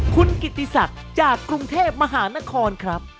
คุณกิติศักดิ์จากกรุงเทพมหานครครับ